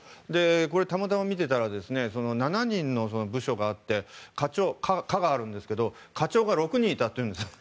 これ、たまたま見ていたら７人の部署があって課があるんですが課長が６人がいたというんです。